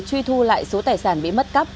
truy thu lại số tài sản bị mất cấp